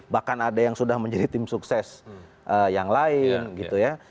bahkan ada yang sudah menjadi tim sukses yang lain gitu ya